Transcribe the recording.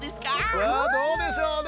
さあどうでしょうね。